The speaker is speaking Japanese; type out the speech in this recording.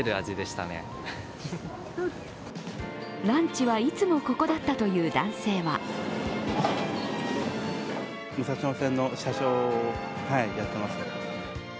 ランチは、いつもここだったという男性はＪＲの車掌。